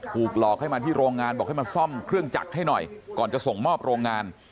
ถูกหลอกให้มาที่โรงงานบอกให้มาซ่อมเครื่องจักรให้หน่อยก่อนจะส่งมอบโรงงาน